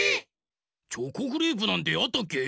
チョコクレープなんてあったっけ？